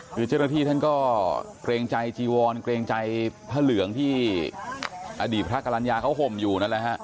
คือเจ้าหน้าที่ท่านก็เกรงใจจีวรเกรงใจพระเหลืองที่อดีตพระกรรณญาเขาห่มอยู่นั่นแหละฮะ